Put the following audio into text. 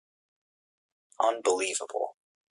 Unbelievable.